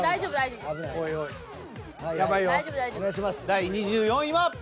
第２４位は。